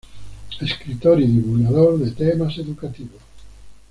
Escritor y divulgador de temas educativos.